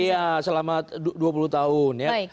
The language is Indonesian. iya selama dua puluh tahun ya